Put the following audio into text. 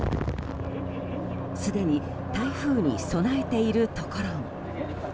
すでに台風に備えているところも。